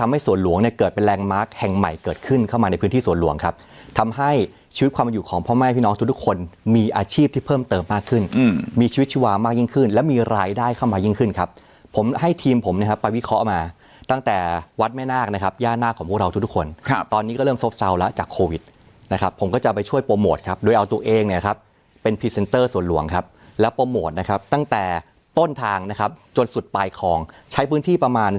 ให้เข้ามายิ่งขึ้นครับผมให้ทีมผมเนี้ยครับไปวิเคราะห์มาตั้งแต่วัดแม่นาคนะครับย่านาคของพวกเราทุกทุกคนครับตอนนี้ก็เริ่มซ่อมซาวแล้วจากโควิดนะครับผมก็จะไปช่วยโปรโมทครับโดยเอาตัวเองเนี้ยครับเป็นพรีเซนเตอร์สวรรค์หลวงครับแล้วโปรโมทนะครับตั้งแต่ต้นทางนะครับจนสุดปลายคลองใช้พื้นที่ประมาณ